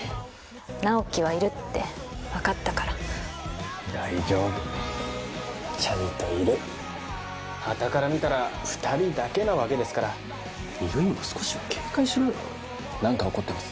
直木はいるって分かったから大丈夫ちゃんといるはたから見たら２人だけなわけですから悠依も少しは警戒しろよ何か怒ってます